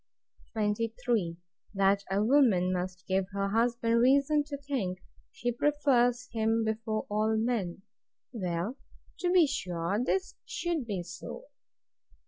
23. That a woman give her husband reason to think she prefers him before all men. Well, to be sure this should be so.